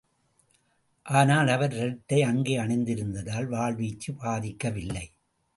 ஆனால் அவர் இரட்டை அங்கி அணிந்திருந்ததால் வாள் வீச்சு பாதிக்கவில்லை.